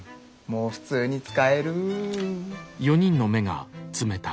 もう普通に使える。